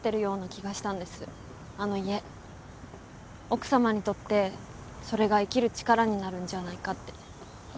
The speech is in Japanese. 奥様にとってそれが生きる力になるんじゃないかって。